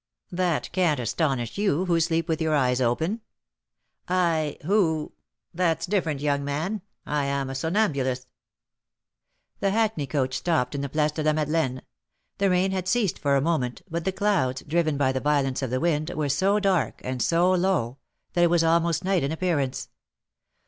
"That can't astonish you, who sleep with your eyes open." "I, who That's different, young man; I am a somnambulist." The hackney coach stopped in the Place de la Madelaine. The rain had ceased for a moment, but the clouds, driven by the violence of the wind, were so dark and so low, that it was almost night in appearance.